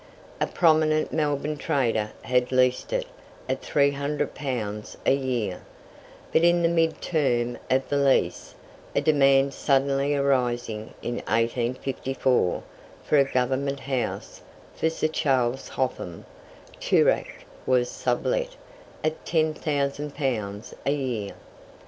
A prominent Melbourne trader had leased it at 300 pounds a year, but in the mid term of the lease, a demand suddenly arising in 1854 for a Government House for Sir Charles Hotham, Toorak was sublet at 10,000 pounds a year.